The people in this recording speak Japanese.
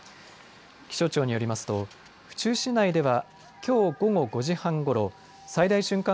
気象庁によりますと府中市内ではきょう午後５時半ごろ最大瞬間